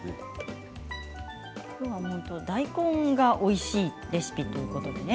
きょうは大根がおいしいレシピということでね。